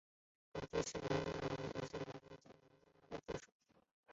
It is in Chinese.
歌德故居是诗人歌德在魏玛居留时的几处住所中最重要的一处。